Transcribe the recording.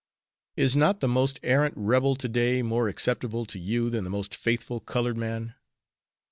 Is not the most arrant Rebel to day more acceptable to you than the most faithful colored man?"